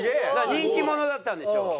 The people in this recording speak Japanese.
人気者だったんでしょう。